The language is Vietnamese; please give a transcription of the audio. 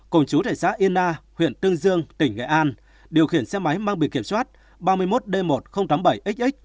cùng chú tại xã yên na huyện tương dương tỉnh nghệ an điều khiển xe máy mang bị kiểm soát ba mươi một d một nghìn tám mươi bảy xx